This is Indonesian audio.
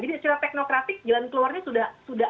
jadi secara teknokratik jalan keluarnya sudah